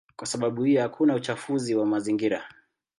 Kwa sababu hiyo hakuna uchafuzi wa mazingira.